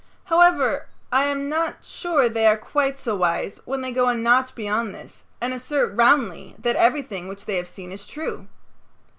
However, I am not sure they are quite so wise when they go a notch beyond this and assert roundly that everything which they have seen is true.